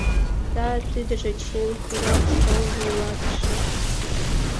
— Да, тидыже чын, — кӧна школ вуйлатыше.